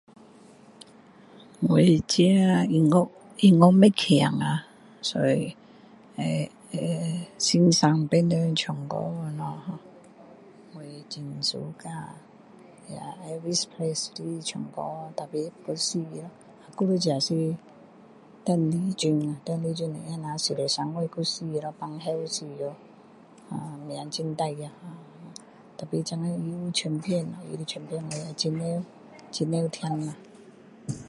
我自己音乐，音乐不强，所以[ehh]会欣赏別人讲歌那哦，我很suka [unintelligible] 唱歌 tapi 过死了。还有一个是,邓丽君啊，邓丽君只43岁就死了，哮喘死了，命很短啊，tapi 现在他有唱片，他的唱片，我很常，很常听啦。